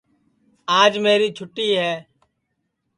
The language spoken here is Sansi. آج میری چھوٹی ہے